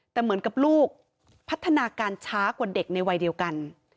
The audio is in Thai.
แต่เหมือนกับลูกพัฒนาการช้ากว่าเด็กในวัยเดียวกัน